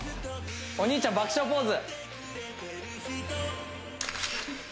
お兄ちゃん爆笑ポーズ